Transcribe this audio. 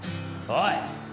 おい！